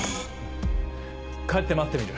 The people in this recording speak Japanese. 帰って待ってみる